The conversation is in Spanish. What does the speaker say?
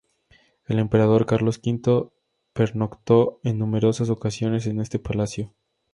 El emperador Carlos V pernoctó en numerosas ocasiones en este palacio.